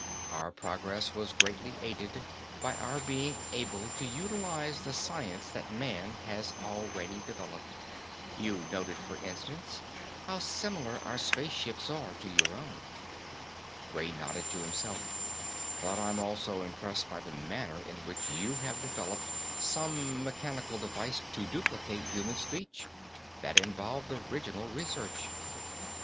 Our progress was greatly aided by our being able to utilize the science that man has already developed. You've noted, for instance, how similar our space ships are to your own._ Gray nodded to himself. "But I'm also impressed by the manner in which you have developed some mechanical device to duplicate human speech. That involved original research."